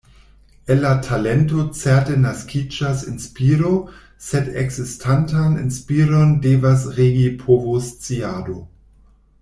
El la talento certe naskiĝas inspiro, sed ekzistantan inspiron devas regi povosciado.